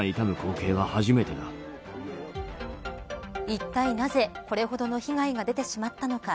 いったい、なぜこれほどの被害が出てしまったのか。